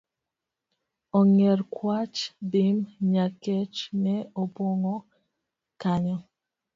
Ong'er, kwach, Bim, nyakech ne opong'o kanyo